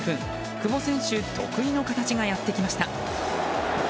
久保選手得意の形がやってきました。